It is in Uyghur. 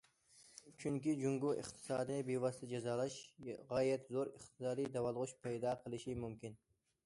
چۈنكى، جۇڭگو ئىقتىسادىنى بىۋاسىتە جازالاش غايەت زور ئىقتىسادىي داۋالغۇش پەيدا قىلىشى مۇمكىن.